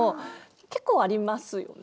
結構ありますよね。